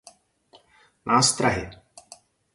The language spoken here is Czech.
Nástrahy.